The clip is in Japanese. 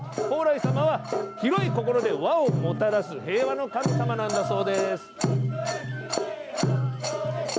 宝来様は広い心で和をもたらす平和の神様なんだそうです。